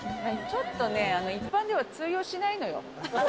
ちょっとね、一般では通用しないのよ。